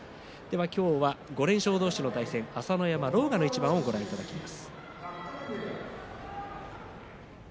今日は５連勝同士の対戦朝乃山、狼雅の一番をご覧いただきます。